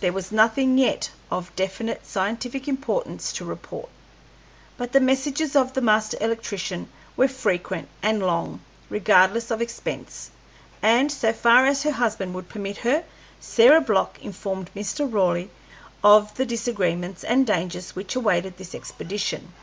There was nothing yet of definite scientific importance to report, but the messages of the Master Electrician were frequent and long, regardless of expense, and, so far as her husband would permit her, Sarah Block informed Mrs. Raleigh of the discouragements and dangers which awaited this expedition.